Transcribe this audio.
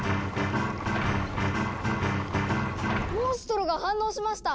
モンストロが反応しました！